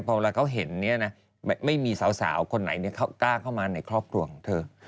พอเวลาเขาเห็นไม่มีสาวคนไหนกล้าเข้ามาในครอบครัวของเธอ